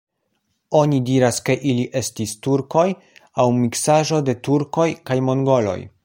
Oni diras, ke ili estis turkoj aŭ miksaĵo de turkoj kaj mongoloj.